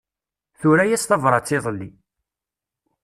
Tura-yas tabrat iḍelli.